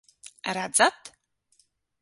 Redzat?